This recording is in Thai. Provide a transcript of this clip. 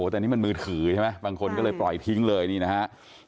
แต่นี่มันมือถือใช่ไหมบางคนก็เลยปล่อยทิ้งเลยนี่นะฮะ